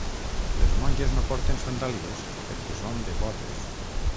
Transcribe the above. Les monges no porten sandàlies perquè són devotes.